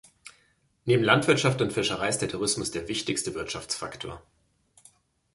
Neben Landwirtschaft und Fischerei ist der Tourismus der wichtigste Wirtschaftsfaktor.